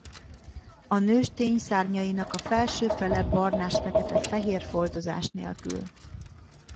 A nőstény szárnyainak a felső fele barnásfekete fehér foltozás nélkül.